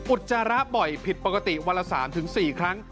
อุจจาระบ่อยผิดปกติวันละ๓๔ครั้ง